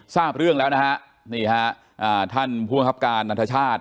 ทราบเรื่องแล้วนะฮะนี่ฮะอ่าท่านผู้บังคับการนันทชาติ